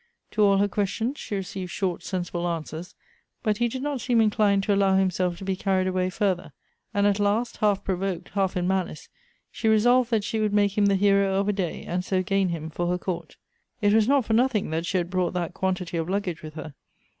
To all her questions she received short sensible answers ; but he did not seem inclined to allow himself to be car ried away further, and at last, half provoked, half in malice, she resolved that she would make him the hero of a day, and so gain him for her court. It was not for nothing that she had brought that quantity of luggage with her.